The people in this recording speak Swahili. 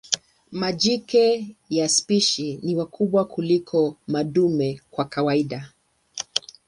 Majike ya spishi ni wakubwa kuliko madume kwa kawaida.